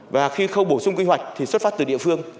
và khi khâu bổ sung quy hoạch thì xuất phát từ địa phương